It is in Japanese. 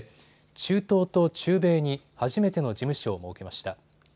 中東と中米に初めての事務所を設けました。